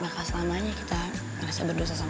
maka selamanya kita ngerasa berdosa sama omakamu